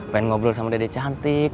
pengen ngobrol sama dede cantik